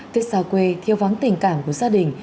tết xa quê thiêu vắng tình cảm của gia đình